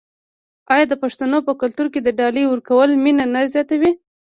آیا د پښتنو په کلتور کې د ډالۍ ورکول مینه نه زیاتوي؟